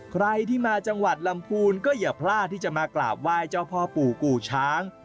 ใครที่มาจังหวัดลำพูนก็อย่าพลาดที่จะมากราบไหว้เจ้าพ่อปู่กู่ช้าง